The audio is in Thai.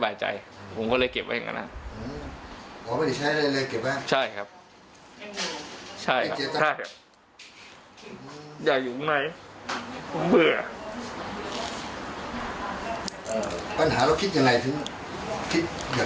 ปัญหาเราคิดอย่างไรถึงคิดอย่างนี้